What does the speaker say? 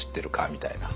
みたいな。